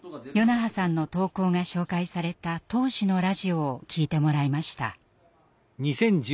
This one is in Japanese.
與那覇さんの投稿が紹介された当時のラジオを聞いてもらいました。